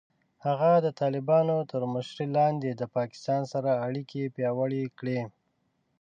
هغه د طالبانو تر مشرۍ لاندې د پاکستان سره اړیکې پیاوړې کړې.